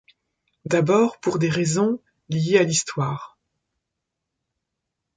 D'abord pour des raisons liées à l'histoire.